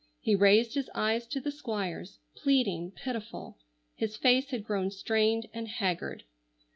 He raised his eyes to the Squire's—pleading, pitiful. His face had grown strained and haggard.